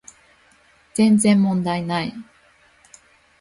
全然問題ない